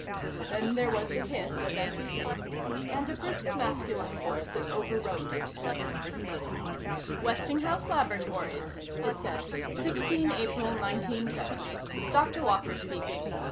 Then there was the hiss of empty tape, and a brisk masculine voice that overrode it: "Westinghouse Laboratories," it said, "sixteen April nineteen seventy. Dr. Walker speaking.